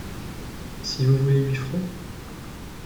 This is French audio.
Si vous voulez huit francs ?